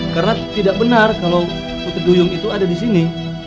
karena tidak benar kalau putih doyong itu ada di sini